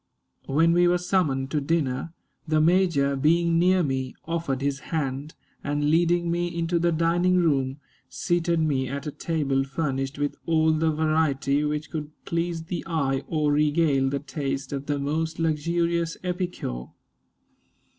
When we were summoned to dinner, the major, being near me, offered his hand, and, leading me into the dining room, seated me at a table furnished with all the variety which could please the eye or regale the taste of the most luxurious epicure.